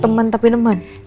temen tapi temen